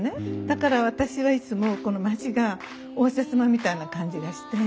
だから私はいつもこの町が応接間みたいな感じがして。